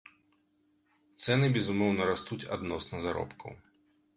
Цэны, безумоўна, растуць адносна заробкаў.